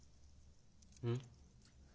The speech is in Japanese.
うん？